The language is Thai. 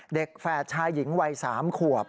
แฝดชายหญิงวัย๓ขวบ